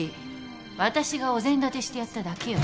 私がお膳立てしてやっただけよ。